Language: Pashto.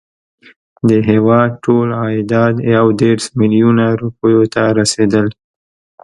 د هیواد ټول عایدات یو دېرش میلیونه روپیو ته رسېدل.